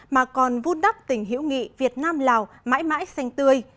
mà còn vun đắp tình hiểu nghị việt nam lào mãi mãi xanh tươi